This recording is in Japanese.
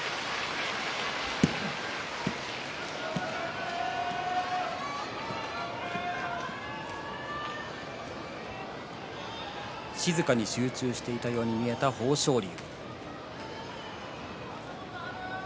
拍手静かに集中していたように見えた豊昇龍。